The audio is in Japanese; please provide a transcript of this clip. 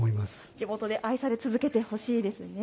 地元で愛され続けてほしいですね。